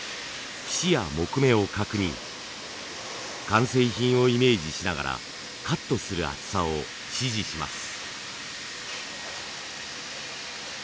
完成品をイメージしながらカットする厚さを指示します。